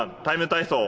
ＴＩＭＥ，体操」